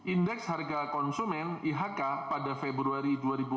indeks harga konsumen pada februari dua ribu enam belas